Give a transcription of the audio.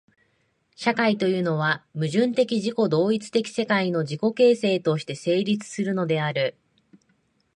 社会というのは、矛盾的自己同一的世界の自己形成として成立するのである。